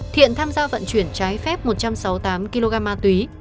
thiện tham gia vận chuyển trái phép một trăm sáu mươi tám kg ma túy